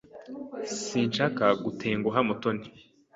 Sinshaka gutenguha Mutoni.